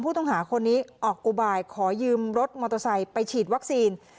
ผู้ต้องหาคนนี้ออกอุบายขอยืมรถมอเตอร์ไซค์ไปฉีดวัคซีน